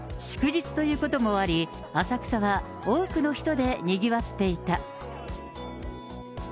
祝日ということもあり、浅草は多くの人でにぎわっていた。